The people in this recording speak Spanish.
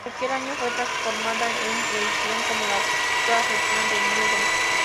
Aquel año fue transformada en una región, como la actual región de Ñuble.